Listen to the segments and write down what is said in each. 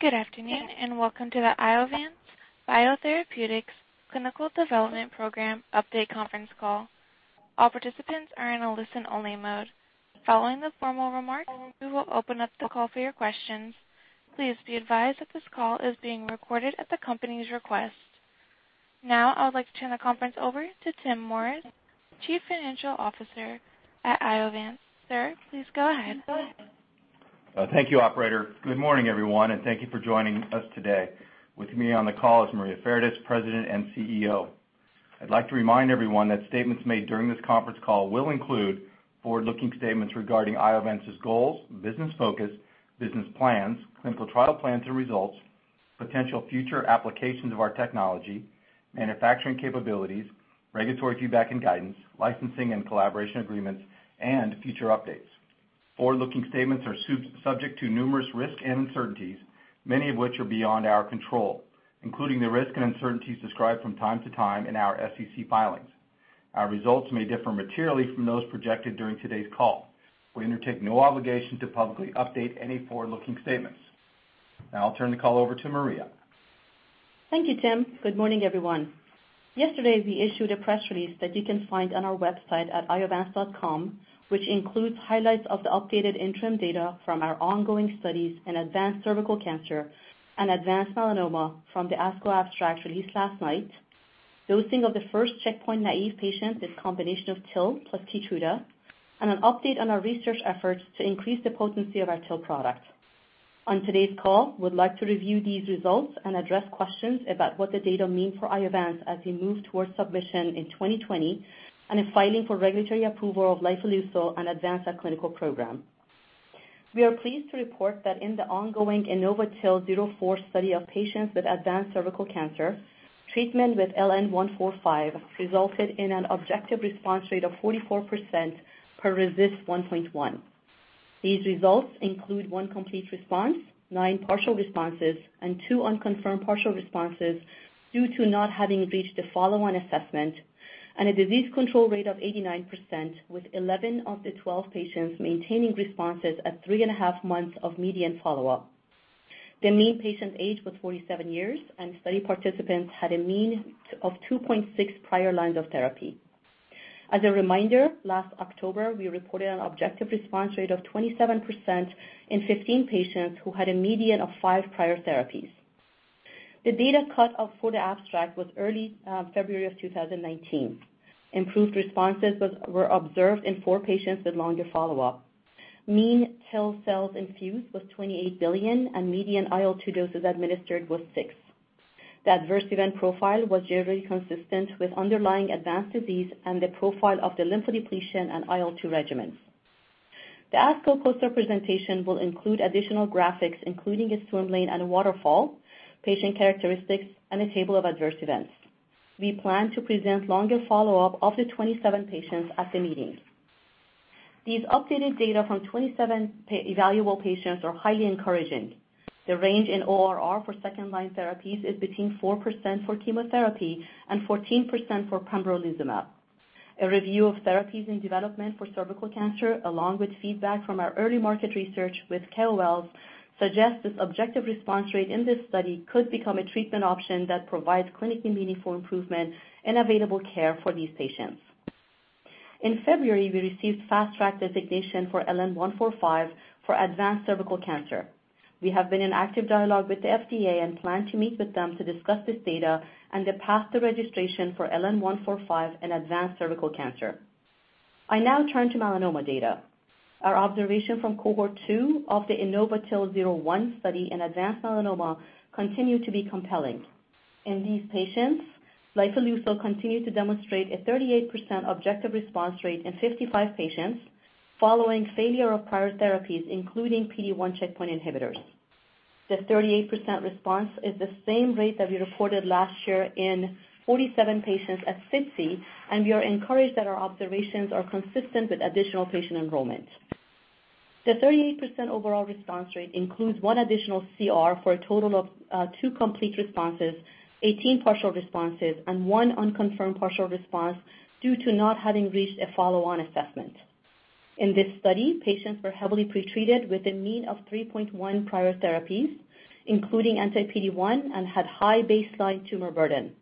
Good afternoon, welcome to the Iovance Biotherapeutics clinical development program update conference call. All participants are in a listen-only mode. Following the formal remarks, we will open up the call for your questions. Please be advised that this call is being recorded at the company's request. Now, I would like to turn the conference over to Tim Morris, Chief Financial Officer at Iovance. Sir, please go ahead. Thank you, operator. Good morning, everyone, thank you for joining us today. With me on the call is Maria Fardis, President and CEO. I'd like to remind everyone that statements made during this conference call will include forward-looking statements regarding Iovance's goals, business focus, business plans, clinical trial plans and results, potential future applications of our technology, manufacturing capabilities, regulatory feedback and guidance, licensing and collaboration agreements, and future updates. Forward-looking statements are subject to numerous risks and uncertainties, many of which are beyond our control, including the risks and uncertainties described from time to time in our SEC filings. Our results may differ materially from those projected during today's call. We undertake no obligation to publicly update any forward-looking statements. Now I'll turn the call over to Maria. Thank you, Tim. Good morning, everyone. Yesterday, we issued a press release that you can find on our website at iovance.com, which includes highlights of the updated interim data from our ongoing studies in advanced cervical cancer and advanced melanoma from the ASCO abstract released last night, dosing of the first checkpoint-naïve patient, this combination of TIL plus KEYTRUDA, and an update on our research efforts to increase the potency of our TIL product. On today's call, we'd like to review these results and address questions about what the data mean for Iovance as we move towards submission in 2020 and in filing for regulatory approval of lifileucel in advanced clinical program. We are pleased to report that in the ongoing innovaTIL-04 study of patients with advanced cervical cancer, treatment with LN-145 resulted in an objective response rate of 44% per RECIST 1.1. These results include one complete response, nine partial responses, and two unconfirmed partial responses due to not having reached a follow-on assessment, and a disease control rate of 89%, with 11 of the 12 patients maintaining responses at three and a half months of median follow-up. The mean patient age was 47 years, and study participants had a mean of 2.6 prior lines of therapy. As a reminder, last October, we reported an objective response rate of 27% in 15 patients who had a median of five prior therapies. The data cut off for the abstract was early February of 2019. Improved responses were observed in four patients with longer follow-up. Mean TIL cells infused was 28 billion, and median IL-2 doses administered was six. The adverse event profile was generally consistent with underlying advanced disease and the profile of the lymphodepletion and IL-2 regimens. The ASCO poster presentation will include additional graphics, including a swimmer lane and a waterfall, patient characteristics, and a table of adverse events. We plan to present longer follow-up of the 27 patients at the meeting. These updated data from 27 evaluable patients are highly encouraging. The range in ORR for second-line therapies is between 4% for chemotherapy and 14% for pembrolizumab. A review of therapies in development for cervical cancer, along with feedback from our early market research with KOLs, suggests this objective response rate in this study could become a treatment option that provides clinically meaningful improvement in available care for these patients. In February, we received Fast Track designation for LN-145 for advanced cervical cancer. We have been in active dialogue with the FDA and plan to meet with them to discuss this data and the path to registration for LN-145 in advanced cervical cancer. I now turn to melanoma data. Our observation from cohort 2 of the innovaTIL-01 study in advanced melanoma continue to be compelling. In these patients, lifileucel continued to demonstrate a 38% objective response rate in 55 patients following failure of prior therapies, including PD-1 checkpoint inhibitors. The 38% response is the same rate that we reported last year in 47 patients at SITC, and we are encouraged that our observations are consistent with additional patient enrollment. The 38% overall response rate includes 1 additional CR for a total of 2 complete responses, 18 partial responses, and 1 unconfirmed partial response due to not having reached a follow-on assessment. In this study, patients were heavily pretreated with a mean of 3.1 prior therapies, including anti-PD-1, and had high baseline tumor burden.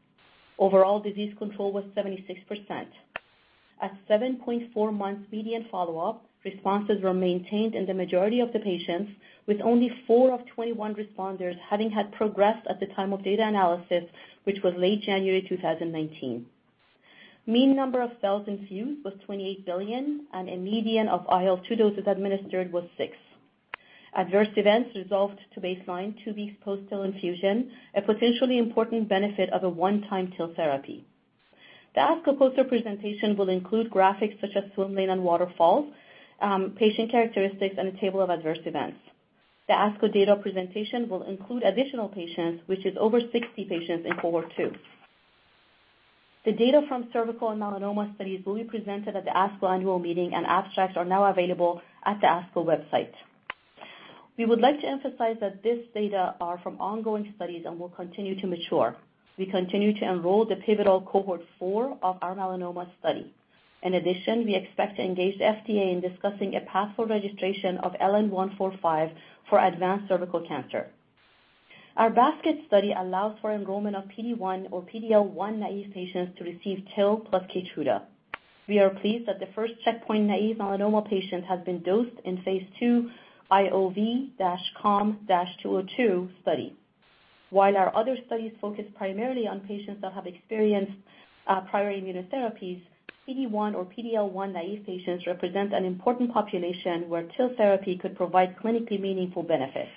Overall disease control was 76%. At 7.4 months median follow-up, responses were maintained in the majority of the patients, with only four of 21 responders having had progressed at the time of data analysis, which was late January 2019. Mean number of cells infused was 28 billion, and a median of IL-2 doses administered was six. Adverse events resolved to baseline two weeks post-TIL infusion, a potentially important benefit of a one-time TIL therapy. The ASCO poster presentation will include graphics such as swimmer lane and waterfall, patient characteristics, and a table of adverse events. The ASCO data presentation will include additional patients, which is over 60 patients in cohort 2. The data from cervical and melanoma studies will be presented at the ASCO annual meeting, and abstracts are now available at the ASCO website. We would like to emphasize that this data are from ongoing studies and will continue to mature. We continue to enroll the pivotal cohort 4 of our melanoma study. In addition, we expect to engage the FDA in discussing a path for registration of LN-145 for advanced cervical cancer. Our basket study allows for enrollment of PD-1 or PD-L1 naive patients to receive TIL plus KEYTRUDA. We are pleased that the first checkpoint-naive melanoma patient has been dosed in phase II IOV-COM-202 study. While our other studies focus primarily on patients that have experienced prior immunotherapies, PD-1 or PD-L1 naive patients represent an important population where TIL therapy could provide clinically meaningful benefits.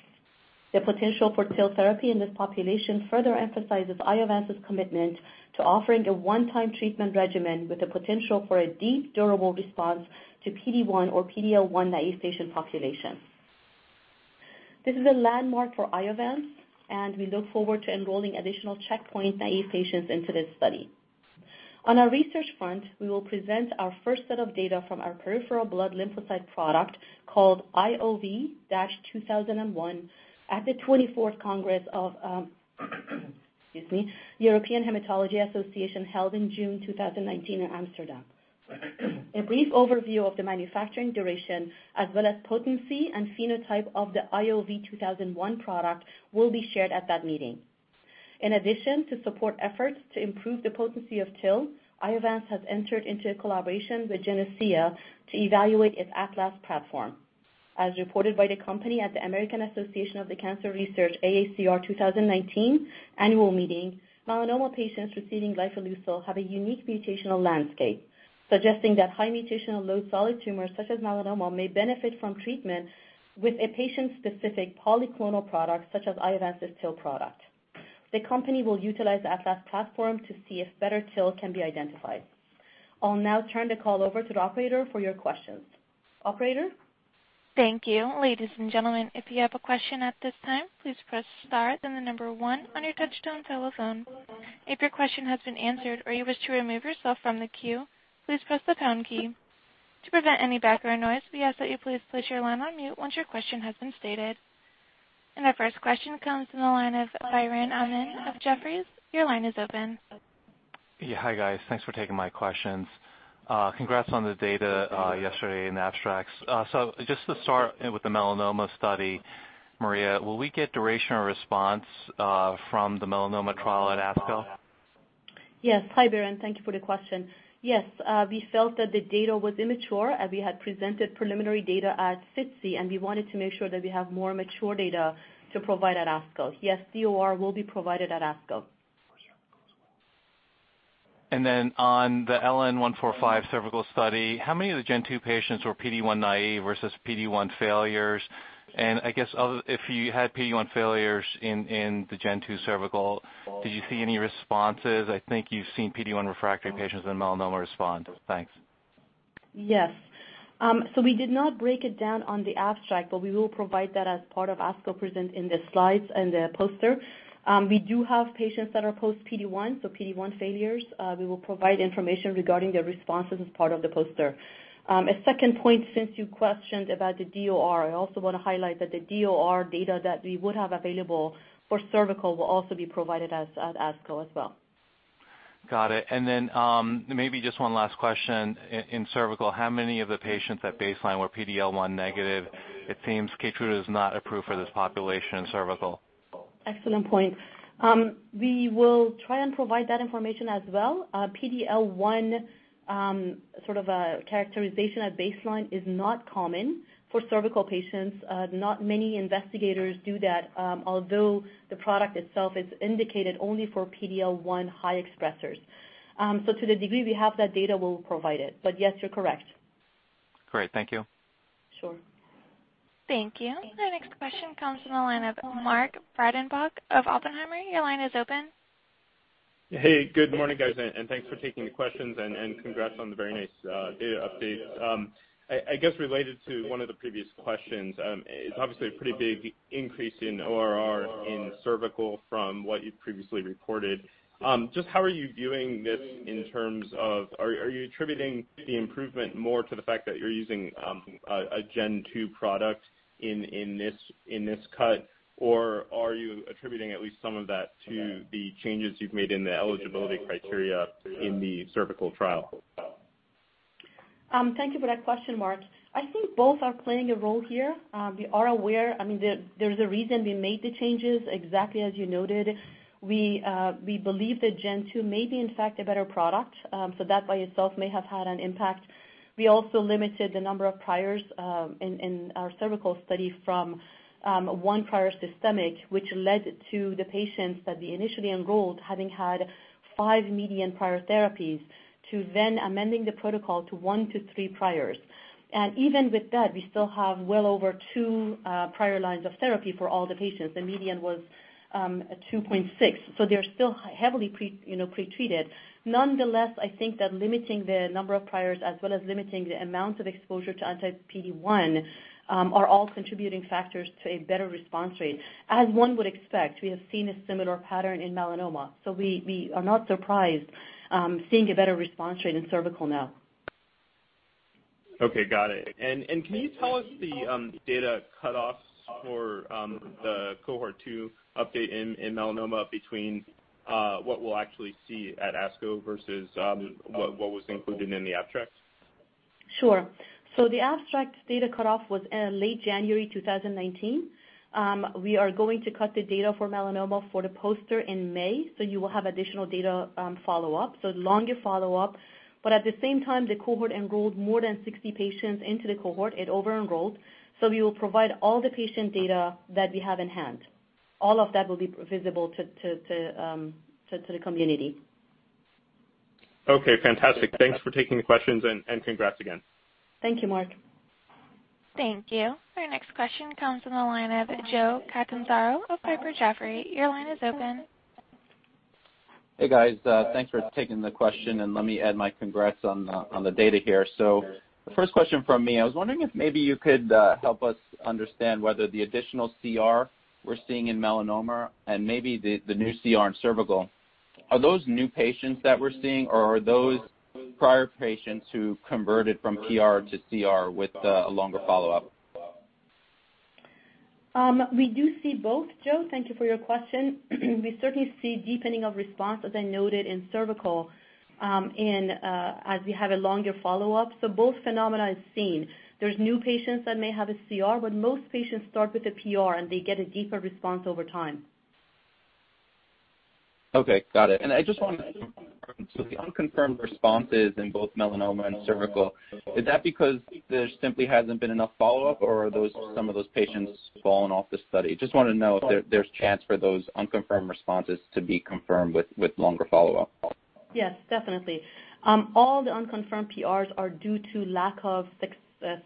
The potential for TIL therapy in this population further emphasizes Iovance's commitment to offering a one-time treatment regimen with the potential for a deep, durable response to PD-1 or PD-L1 naive patient population. This is a landmark for Iovance, and we look forward to enrolling additional checkpoint-naive patients into this study. On our research front, we will present our first set of data from our peripheral blood lymphocyte product, called IOV-2001, at the 24th Congress of excuse me, European Hematology Association, held in June 2019 in Amsterdam. A brief overview of the manufacturing duration as well as potency and phenotype of the IOV-2001 product will be shared at that meeting. In addition to support efforts to improve the potency of TIL, Iovance has entered into a collaboration with Genocea to evaluate its ATLAS platform. As reported by the company at the American Association for Cancer Research, AACR, 2019 annual meeting, melanoma patients receiving lifileucel have a unique mutational landscape, suggesting that high mutational load solid tumors such as melanoma may benefit from treatment with a patient-specific polyclonal product such as Iovance's TIL product. The company will utilize the ATLAS platform to see if better TIL can be identified. I'll now turn the call over to the operator for your questions. Operator? Thank you. Ladies and gentlemen, if you have a question at this time, please press star then number 1 on your touchtone telephone. If your question has been answered or you wish to remove yourself from the queue, please press the pound key. To prevent any background noise, we ask that you please place your line on mute once your question has been stated. Our first question comes from the line of Biren Amin of Jefferies. Your line is open. Hi, guys. Thanks for taking my questions. Congrats on the data yesterday in abstracts. Just to start with the melanoma study, Maria, will we get duration or response from the melanoma trial at ASCO? Yes. Hi, Biren. Thank you for the question. Yes. We felt that the data was immature as we had presented preliminary data at SITC, and we wanted to make sure that we have more mature data to provide at ASCO. Yes, DOR will be provided at ASCO. On the LN-145 cervical study, how many of the Gen 2 patients were PD-1 naive versus PD-1 failures? If you had PD-1 failures in the Gen 2 cervical, did you see any responses? I think you've seen PD-1 refractory patients in melanoma respond. Thanks. Yes. We did not break it down on the abstract, but we will provide that as part of ASCO present in the slides and the poster. We do have patients that are post PD-1, so PD-1 failures. We will provide information regarding their responses as part of the poster. A second point since you questioned about the DOR, I also want to highlight that the DOR data that we would have available for cervical will also be provided at ASCO as well. Got it. Maybe just one last question. In cervical, how many of the patients at baseline were PD-L1 negative? It seems KEYTRUDA is not approved for this population in cervical. Excellent point. We will try and provide that information as well. PD-L1 sort of a characterization at baseline is not common for cervical patients. Not many investigators do that, although the product itself is indicated only for PD-L1 high expressors. To the degree we have that data, we'll provide it. Yes, you're correct. Great. Thank you. Sure. Thank you. Our next question comes from the line of Mark Breidenbach of Oppenheimer. Your line is open. Hey. Good morning, guys, and thanks for taking the questions, and congrats on the very nice data updates. I guess related to one of the previous questions, it's obviously a pretty big increase in ORR in cervical from what you've previously reported. Just how are you viewing this in terms of, are you attributing the improvement more to the fact that you're using a Gen 2 product in this cut, or are you attributing at least some of that to the changes you've made in the eligibility criteria in the cervical trial? Thank you for that question, Mark. I think both are playing a role here. We are aware, there's a reason we made the changes, exactly as you noted. We believe that Gen 2 may be, in fact, a better product. That by itself may have had an impact. We also limited the number of priors in our cervical study from one prior systemic, which led to the patients that we initially enrolled having had five median prior therapies, to amending the protocol to one to three priors. Even with that, we still have well over two prior lines of therapy for all the patients. The median was at 2.6, so they're still heavily pre-treated. Nonetheless, I think that limiting the number of priors as well as limiting the amount of exposure to anti-PD-1 are all contributing factors to a better response rate. As one would expect, we have seen a similar pattern in melanoma, we are not surprised seeing a better response rate in cervical now. Okay, got it. Can you tell us the data cutoffs for the cohort 2 update in melanoma between what we'll actually see at ASCO versus what was included in the abstract? Sure. The abstract data cutoff was late January 2019. We are going to cut the data for melanoma for the poster in May, you will have additional data follow-up, longer follow-up. At the same time, the cohort enrolled more than 60 patients into the cohort. It over-enrolled. We will provide all the patient data that we have in-hand. All of that will be visible to the community. Okay, fantastic. Thanks for taking the questions, and congrats again. Thank you, Mark. Thank you. Our next question comes from the line of Joe Catanzaro of Piper Jaffray. Your line is open. Hey, guys. Thanks for taking the question, and let me add my congrats on the data here. The first question from me, I was wondering if maybe you could help us understand whether the additional CR we're seeing in melanoma and maybe the new CR in cervical, are those new patients that we're seeing, or are those prior patients who converted from PR to CR with a longer follow-up? We do see both, Joe. Thank you for your question. We certainly see deepening of response, as I noted, in cervical as we have a longer follow-up. Both phenomena is seen. There is new patients that may have a CR, but most patients start with a PR, and they get a deeper response over time. Okay, got it. I just wondered about the unconfirmed responses in both melanoma and cervical. Is that because there simply hasn't been enough follow-up, or are some of those patients fallen off the study? Just wanted to know if there is chance for those unconfirmed responses to be confirmed with longer follow-up. Yes, definitely. All the unconfirmed PRs are due to lack of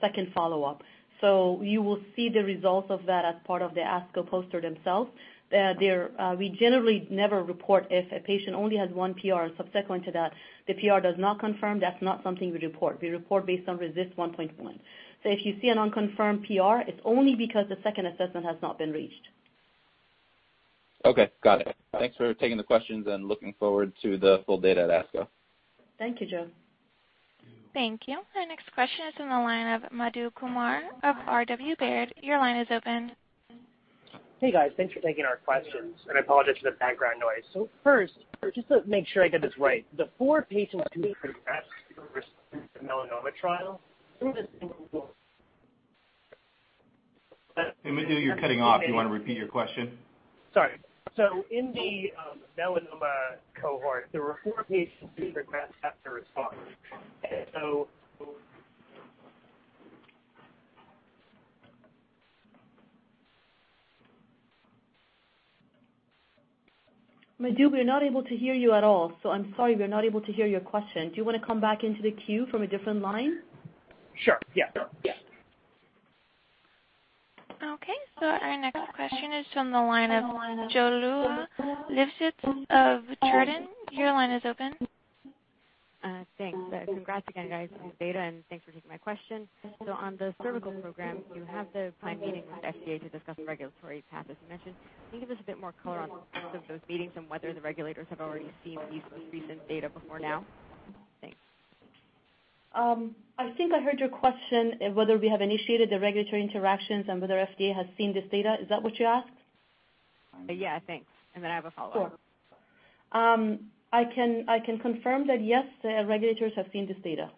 second follow-up. You will see the results of that as part of the ASCO poster themselves. We generally never report if a patient only has one PR, and subsequent to that, the PR does not confirm. That's not something we report. We report based on RECIST 1.1. If you see an unconfirmed PR, it's only because the second assessment has not been reached. Okay, got it. Thanks for taking the questions and looking forward to the full data at ASCO. Thank you, Joe. Thank you. Our next question is on the line of Madhu Kumar of R.W. Baird. Your line is open. Hey, guys. Thanks for taking our questions, and I apologize for the background noise. First, just to make sure I get this right, the four patients who progressed in the melanoma trial Hey, Madhu, you're cutting off. You want to repeat your question? Sorry. In the melanoma cohort, there were four patients who progressed after response. Madhu, we are not able to hear you at all, I'm sorry, we're not able to hear your question. Do you want to come back into the queue from a different line? Sure. Yeah. Okay, our next question is from the line of Yuliya Livshits of Truist. Your line is open. Thanks. Congrats again, guys, on the data, thanks for taking my question. On the cervical program, you have the planned meetings with FDA to discuss regulatory path, as you mentioned. Can you give us a bit more color on the status of those meetings and whether the regulators have already seen these most recent data before now? Thanks. I think I heard your question, whether we have initiated the regulatory interactions and whether FDA has seen this data. Is that what you asked? Yeah, thanks. I have a follow-up. Sure. I can confirm that yes, the regulators have seen this data.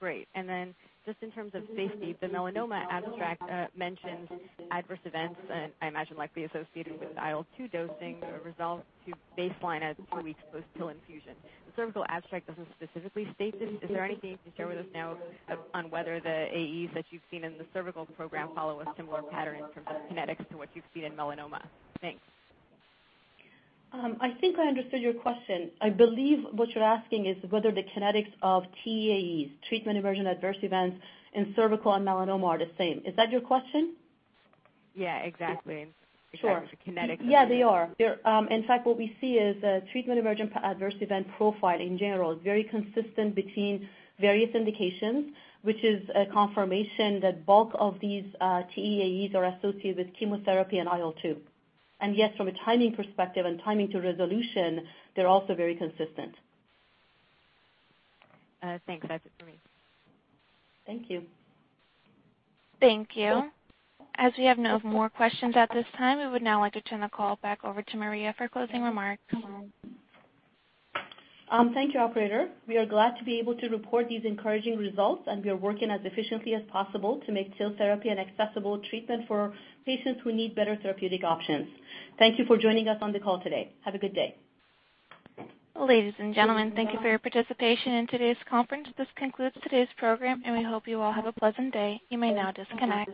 Great. Just in terms of safety, the melanoma abstract mentions adverse events, I imagine likely associated with IL-2 dosing resolve to baseline two weeks post-TIL infusion. The cervical abstract doesn't specifically state this. Is there anything you can share with us now on whether the TEAEs that you've seen in the cervical program follow a similar pattern in terms of kinetics to what you've seen in melanoma? Thanks. I think I understood your question. I believe what you're asking is whether the kinetics of TEAEs, treatment emergent adverse events, in cervical and melanoma are the same. Is that your question? Yeah, exactly. Sure. In terms of kinetics. Yeah, they are. In fact, what we see is treatment emergent adverse event profile, in general, is very consistent between various indications, which is a confirmation that bulk of these TEAEs are associated with chemotherapy and IL-2. Yes, from a timing perspective and timing to resolution, they're also very consistent. Thanks. That's it for me. Thank you. Thank you. As we have no more questions at this time, we would now like to turn the call back over to Maria for closing remarks. Thank you, operator. We are glad to be able to report these encouraging results, and we are working as efficiently as possible to make TIL therapy an accessible treatment for patients who need better therapeutic options. Thank you for joining us on the call today. Have a good day. Ladies and gentlemen, thank you for your participation in today's conference. This concludes today's program. We hope you all have a pleasant day. You may now disconnect.